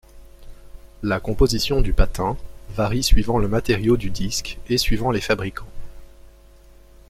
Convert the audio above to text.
La composition du patin varie suivant le matériau du disque et suivant les fabricants.